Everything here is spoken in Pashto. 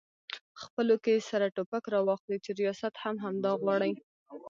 خپلو کې سره ټوپک راواخلي چې ریاست هم همدا غواړي؟